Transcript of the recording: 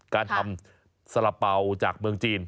การทำสละเป๋าจากเมืองจีน